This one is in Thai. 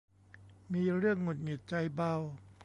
มีเรื่องหงุดหงิดใจเบา